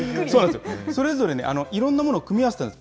それぞれ、いろんなものを組み合わせたんです。